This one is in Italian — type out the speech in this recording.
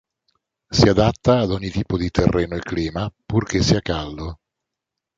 Si adatta ad ogni tipo di terreno e clima, purché sia caldo.